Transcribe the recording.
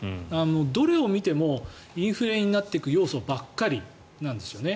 どれを見てもインフレになっていく要素ばっかりなんですよね。